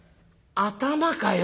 「頭かよ！